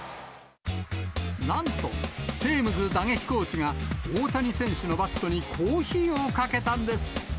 なんと、テームズ打撃コーチが大谷選手のバットにコーヒーをかけたんです。